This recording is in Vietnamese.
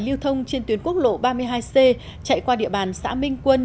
lưu thông trên tuyến quốc lộ ba mươi hai c chạy qua địa bàn xã minh quân